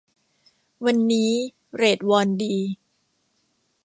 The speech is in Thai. วันนี้เรทวอนดี